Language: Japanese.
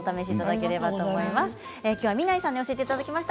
きょうは、みないさんに教えていただきました。